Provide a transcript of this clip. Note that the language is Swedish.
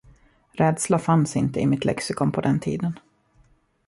Rädsla fanns inte i mitt lexikon på den tiden.